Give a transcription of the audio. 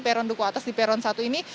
peron duku atas di peron satu ini